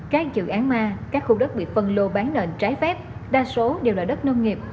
các dự án ma các khu đất bị phân lô bán nền trái phép đa số đều là đất nông nghiệp